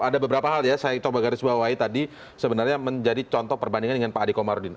ada beberapa hal ya saya coba garis bawahi tadi sebenarnya menjadi contoh perbandingan dengan pak adi komarudin